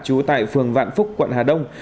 chú tại phường vạn phúc quận hà đông